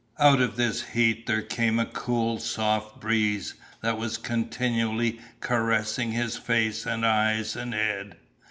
Out of this heat there came a cool, soft breeze that was continually caressing his face, and eyes, and head.